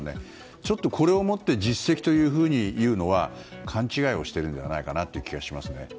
ちょっとこれをもって実績というのは勘違いしているという気がしますね。